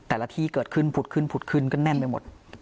อาธิเกิดขึ้นผุดขึ้นก็แน่นไปหมด